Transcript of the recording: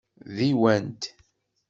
Diwan-t.